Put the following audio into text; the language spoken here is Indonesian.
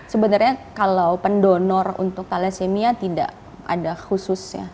sebenarnya kalau pendonor untuk thalassemia tidak ada khususnya